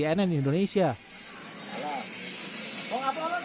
jangan lupa like share dan subscribe ya